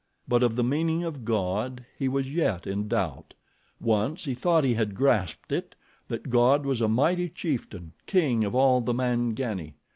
But of the meaning of GOD he was yet in doubt. Once he thought he had grasped it that God was a mighty chieftain, king of all the Mangani.